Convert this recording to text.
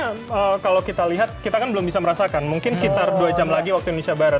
karena kalau kita lihat kita kan belum bisa merasakan mungkin sekitar dua jam lagi waktu indonesia barat